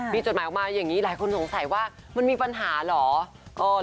มีจดหมายออกมาอย่างนี้หลายคนสงสัยว่ามันมีปัญหาเหรอ